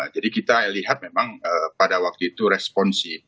jadi kita lihat memang pada waktu itu responsif